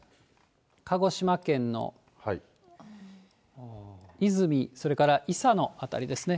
鹿児島県の出水、それからいさの辺りですね。